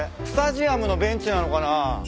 スタジアムのベンチなのかな？